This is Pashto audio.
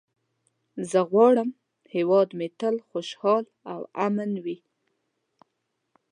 زه غواړم هېواد مې تل خوشحال او امن وي.